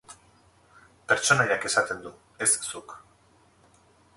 Pertsonaiak esaten du, ez zuk.